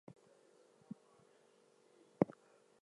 It is the way that change has always travelled.